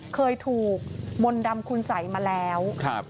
เคยถูกมนดำคูณใสมาแล้ว